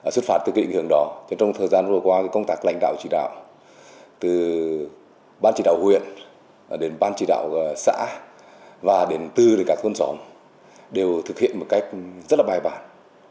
xuất phát từ cái ảnh hưởng đó trong thời gian vừa qua công tác lãnh đạo chỉ đạo từ bán chỉ đạo huyện đến bán chỉ đạo xã và đến tư các thôn xóm đều thực hiện một cách rất là bài bản